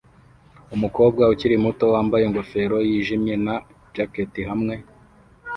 umukobwa ukiri muto wambaye ingofero yijimye na jacket hamwe